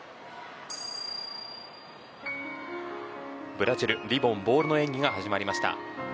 ブラジル、リボン・ボールの演技が始まりました。